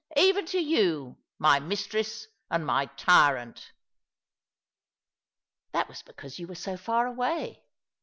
Even to you, my mistress and my tyrant." " That was because you were so far away.